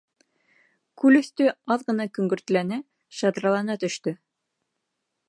Күл өҫтө аҙ ғына көңгөртләнә, шаҙралана төштө.